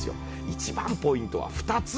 一番ポイントは２つ。